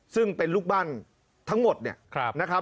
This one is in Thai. ซึ่งเป็นลูกบ้านทั้งหมดเนี่ยนะครับ